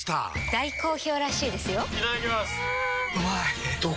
大好評らしいですよんうまい！